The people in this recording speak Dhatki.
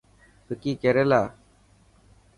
وڪي ڪيريلا.